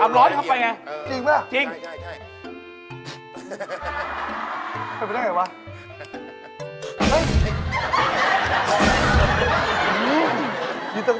เอาร้อนเข้าไปไงจริงไหมจริง